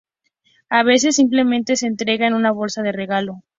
A veces simplemente se entrega en una bolsa de regalo.